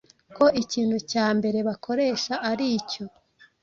ko ikintu cya mbere bakoresha ari icyo